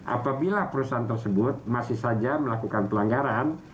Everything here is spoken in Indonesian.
apabila perusahaan tersebut masih saja melakukan pelanggaran